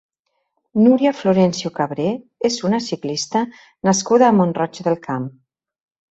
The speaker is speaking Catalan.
Núria Florencio Cabré és una ciclista nascuda a Mont-roig del Camp.